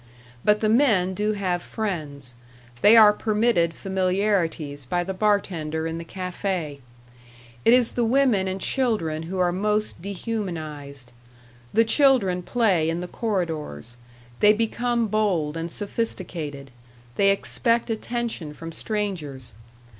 But the men do have friends; they are permitted familiarities by the bartender in the café. It is the women and children who are most dehumanized. The children play in the corridors; they become bold and sophisticated; they expect attention from strangers.